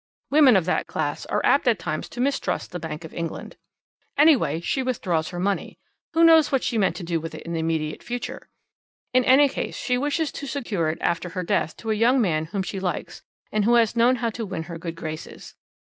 Women of that class are apt at times to mistrust the Bank of England. Anyway, she withdraws her money. Who knows what she meant to do with it in the immediate future? "In any case, she wishes to secure it after her death to a young man whom she likes, and who has known how to win her good graces.